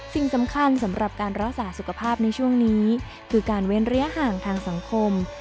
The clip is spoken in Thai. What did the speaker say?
สิ่งสำคัญสำหรับการรักษาสุขภาพในช่วงนี้คือการเว้นระยะห่างทางสังคม